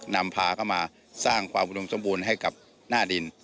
นำพาเข้ามาสร้างความอุดมสมบูรณ์ให้กับหน้าดิน